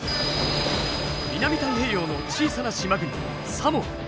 南太平洋の小さな島国サモア。